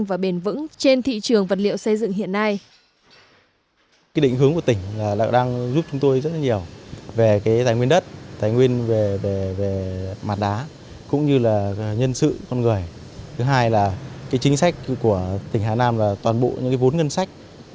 và bền vững trên thị trường vật liệu xây dựng hiện nay